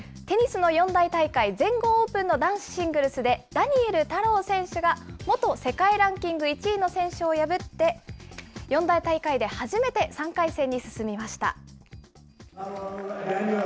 テニスの四大大会、全豪オープンの男子シングルスで、ダニエル太郎選手が、元世界ランキング１位の選手を破って、四大大会で初めて３回戦に進みました。